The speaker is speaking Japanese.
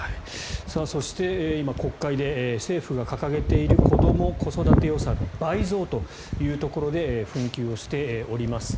そして今、国会で政府が掲げている子ども・子育て予算の倍増というところで紛糾をしております。